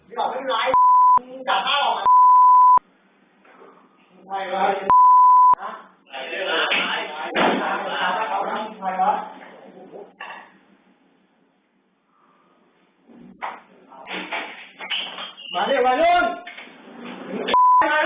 หมดแล้วชั้นมีมีความเป็นธรรม